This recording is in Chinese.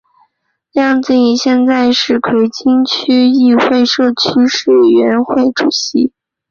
梁子颖现时是葵青区议会社区事务委员会任主席。